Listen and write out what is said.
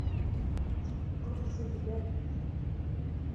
Тик уҡытыусы ебәрмәҫ.